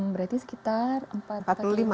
berarti sekitar empat puluh lima ya mungkin